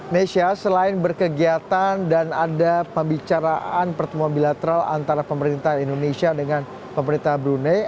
nesha selain berkegiatan dan ada pembicaraan pertemuan bilateral antara pemerintah indonesia dengan pemerintah brunei